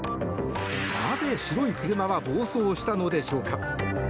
なぜ、白い車は暴走したのでしょうか。